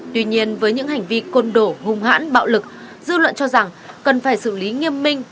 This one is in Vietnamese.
tuy nhiên với những hành vi côn đổ hung hãn bạo lực dư luận cho rằng cần phải xử lý nghiêm minh